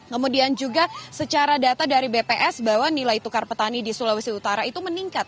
kemudian juga secara data dari bps bahwa nilai tukar petani di sulawesi utara itu meningkat